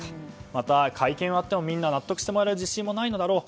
また、会見をやってもみんなに納得してもらえる自信もないのだろう。